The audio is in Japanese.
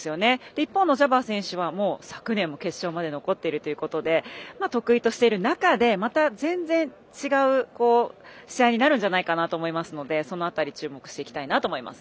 一方のジャバー選手は昨年も決勝に残っているということで得意としている中でまた全然、違う試合になるんじゃないかなと思いますのでその辺り注目していきたいなと思います。